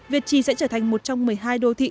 việt trì sẽ trở thành một trong một mươi hai đô thị